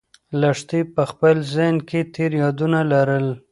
لښتې په خپل ذهن کې تېر یادونه لرل.